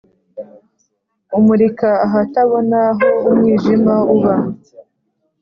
Umurika ahatabona Aho umwijima uba